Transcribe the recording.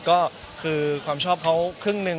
ก็คือความชอบเขาครึ่งหนึ่ง